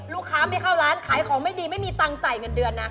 ลูกค้าไม่เข้าร้านขายของไม่ดีไม่มีตังค์จ่ายเงินเดือนนะ